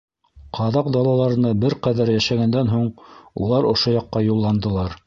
Ҡаҙаҡ далаларында бер ҡәҙәр йәшәгәндән һуң, улар ошо яҡҡа юлландылар.